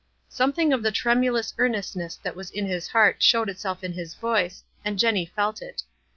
Something of the tremulous earnestness that was in his heart showed itself in his voice, and Jenny felt it.